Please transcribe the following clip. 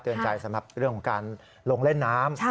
ใจสำหรับเรื่องของการลงเล่นน้ำ